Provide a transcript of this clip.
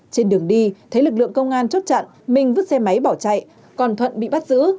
trên đường đi thấy lực lượng công an chốt chặn minh vứt xe máy bỏ chạy còn thuận bị bắt giữ